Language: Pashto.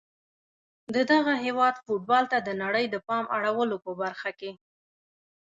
د دغه هیواد فوټبال ته د نړۍ د پام اړولو په برخه کي